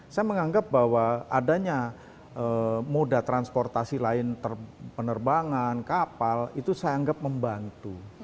saya menganggap bahwa adanya moda transportasi lain penerbangan kapal itu saya anggap membantu